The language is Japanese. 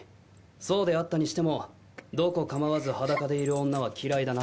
そうであったにしてもどこ構わず裸でいる女は嫌いだな。